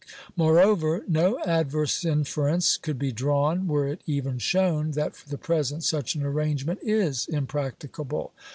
Moreover, no adverse inference could be drawn, were it even shown that for the present suoh an arrangement is impracticable.